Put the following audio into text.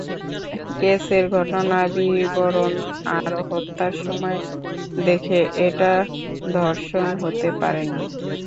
কেসের ঘটনা বিবরণ আর হত্যার সময় দেখে, এটা ধর্ষণ হতে পারে না।